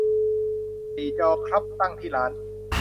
สี่จอครับ ตั้งที่ร้าน